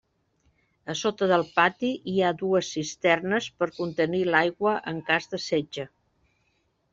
A sota del pati hi ha dues cisternes per contenir l'aigua en cas de setge.